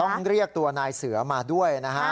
ต้องเรียกตัวนายเสือมาด้วยนะฮะ